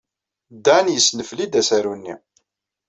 Dan yesnefli-d asaru-nni.